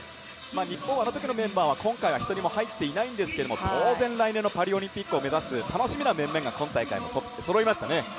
日本はあのときのメンバーは今回は１人も入っていないんですけれども、当然、来年のパリオリンピックを目指す楽しみな面々がそろいましたね。